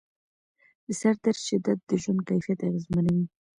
د سردرد شدت د ژوند کیفیت اغېزمنوي.